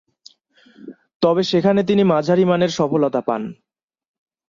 তবে, সেখানে তিনি মাঝারিমানের সফলতা পান।